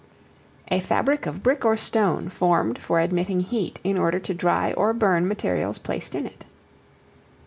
A fabric of brick or stone, formed for admitting heat in order to dry or burn materials placed in it.